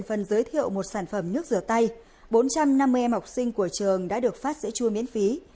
năm mươi em học sinh của trường đã được phát sữa chua miễn phí